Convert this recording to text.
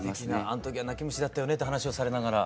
あの時は泣き虫だったよねって話をされながら。